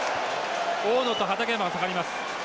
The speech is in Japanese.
大野と畠山が下がります。